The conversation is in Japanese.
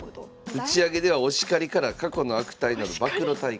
打ち上げではお叱りから過去の悪態など暴露大会。